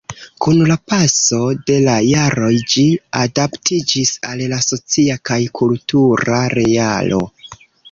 Kun la paso de la jaroj ĝi adaptiĝis al la socia kaj kultura realo.